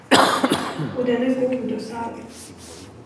Och den är god och salt.